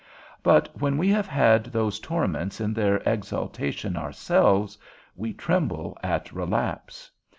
But when we have had those torments in their exaltation ourselves, we tremble at relapse.